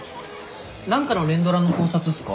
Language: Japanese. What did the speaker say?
何かの連ドラの考察っすか？